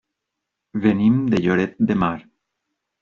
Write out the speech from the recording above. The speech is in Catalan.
Venim de Lloret de Mar.